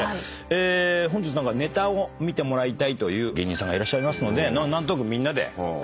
本日ネタを見てもらいたいという芸人さんいらっしゃいますのでみんなで「こっちの方がいい」